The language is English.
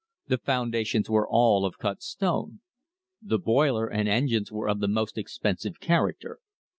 The foundations were all of cut stone. The boiler and engines were of the most expensive character.